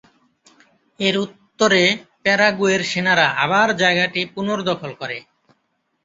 এর উত্তরে প্যারাগুয়ের সেনারা আবার জায়গাটি পুনর্দখল করে।